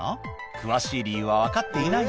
詳しい理由は分かっていない